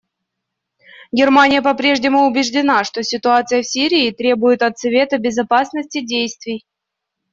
Германия по-прежнему убеждена, что ситуация в Сирии требует от Совета Безопасности действий.